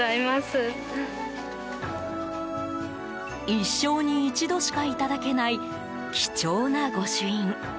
一生に一度しかいただけない貴重な御朱印。